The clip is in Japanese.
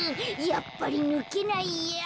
やっぱりぬけないや。